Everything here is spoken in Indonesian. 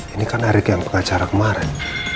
ini kan erick yang pengacara kemarin